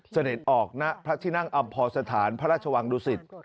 เสด็จออกณพระที่นั่งอำพอสถานพระราชวังดุสิต